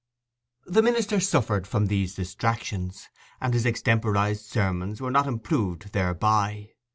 The minister suffered from these distractions, and his extemporized sermons were not improved thereby.